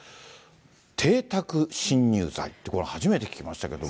邸宅侵入罪って、これ、初めて聞きましたけども。